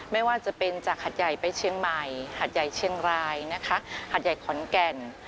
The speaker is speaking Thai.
ไม่ว่าจะเป็นจากหัดใหญ่ไปเชียงใหม่หาดใหญ่เชียงรายนะคะหัดใหญ่ขอนแก่น